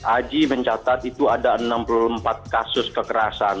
aji mencatat itu ada enam puluh empat kasus kekerasan